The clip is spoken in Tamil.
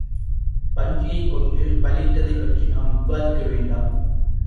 பன்றியைக் கொன்று பலியிட்டதைப்பற்றி நாம் விவாதிக்கவேண்டா.